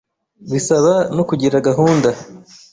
bisaba no kugira gahunda.